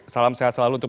selamat malam mas taufik